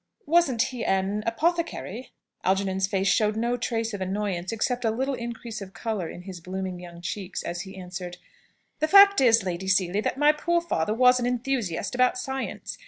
Wasn't he an apothecary?" Algernon's face showed no trace of annoyance, except a little increase of colour in his blooming young cheeks, as he answered, "The fact is, Lady Seely, that my poor father was an enthusiast about science.